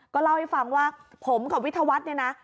ก็เล่าให้ฟังว่าผมกับวิทยาวัฒน์เนี่ยนะ